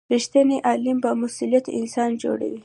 رښتینی علم بامسؤلیته انسان جوړوي.